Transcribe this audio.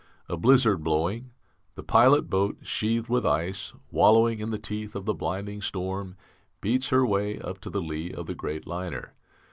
"A blizzard blowing. The pilot boat, sheathed with ice, wallowing in the teeth of the blinding storm, beats her way up to the lee of the great liner.